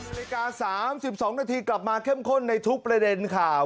นาฬิกา๓๒นาทีกลับมาเข้มข้นในทุกประเด็นข่าว